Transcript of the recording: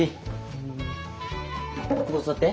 うんここ座って。